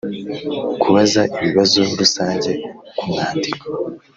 Kubaza ibibazo rusange ku mwandiko